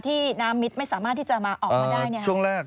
ที่นามมิดไม่สามารถที่จะมาออกมาได้เนี่ย